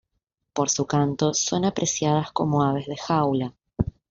Por su canto son apreciadas como aves de jaula.